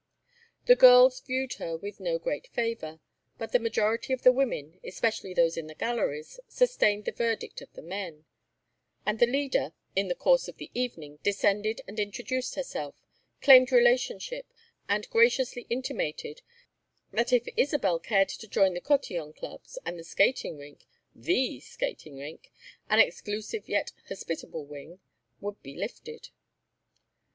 The girls viewed her with no great favor, but the majority of the women, especially those in the galleries, sustained the verdict of the men; and the Leader, in the course of the evening, descended and introduced herself, claimed relationship, and graciously intimated that if Isabel cared to join the cotillon clubs and the skating rink The skating rink an exclusive yet hospitable wing would be lifted.